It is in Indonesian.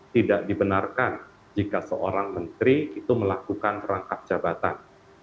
tidak dibenarkan jika seorang menteri itu melakukan rangkap jabatan